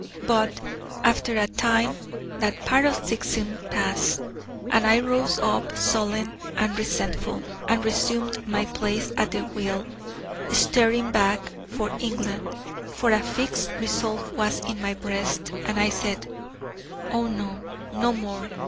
But after a time that paroxysm passed, and I rose up sullen and resentful, and resumed my place at the wheel, steering back for England: for a fixed resolve was in my breast, and I said: 'Oh no, no more.